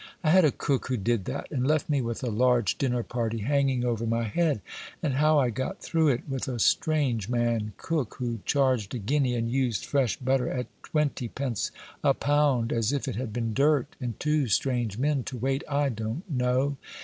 I had a cook who did that, and left me with a large dinner party hanging over my head; and how I got through it with a strange man cook, who charged a guinea, and used fresh butter, at twentypence, a pound, as if it had been dirt, and two strange men to wait I don't know.